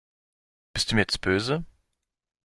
Bist du mir jetzt böse?